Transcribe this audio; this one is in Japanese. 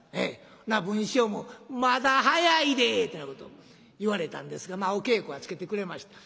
文枝師匠も「まだ早いで」ってなことを言われたんですがまあお稽古はつけてくれました。